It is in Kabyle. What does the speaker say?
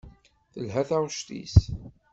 Telha taɣect-is.